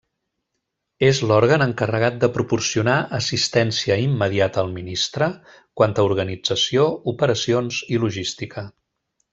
És l'òrgan encarregat de proporcionar assistència immediata al Ministre quant a organització, operacions i logística.